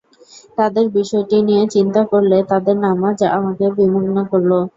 তাদের বিষয়টি নিয়ে চিন্তা করলে তাদের নামায আমাকে বিমুগ্ন করল।